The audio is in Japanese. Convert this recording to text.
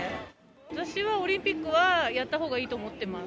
私はオリンピックはやったほうがいいと思ってます。